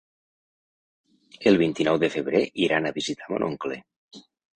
El vint-i-nou de febrer iran a visitar mon oncle.